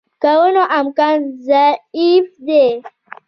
کولو امکان ضعیف دی.